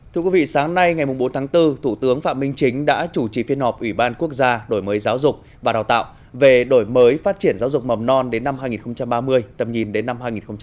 thưa quý vị sáng nay ngày bốn tháng bốn thủ tướng phạm minh chính đã chủ trì phiên họp ủy ban quốc gia đổi mới giáo dục và đào tạo về đổi mới phát triển giáo dục mầm non đến năm hai nghìn ba mươi tầm nhìn đến năm hai nghìn bốn mươi năm